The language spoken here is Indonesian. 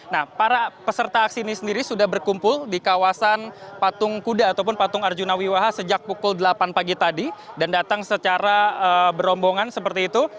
nah para peserta aksi ini sendiri sudah berkumpul di kawasan patung kuda ataupun patung arjuna wiwaha sejak pukul delapan pagi tadi dan datang secara berombongan seperti itu